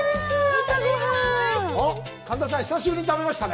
神田さん、久しぶりに食べましたね。